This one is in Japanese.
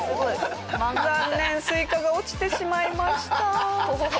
残念スイカが落ちてしまいました。